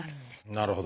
なるほど。